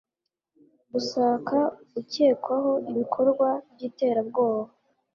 gusaka ukekwaho ibikorwa by'iterabwoba